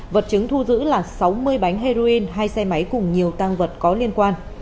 vật chứng thu giữ là sáu mươi bánh heroin hai xe máy cùng nhiều tăng vật có liên quan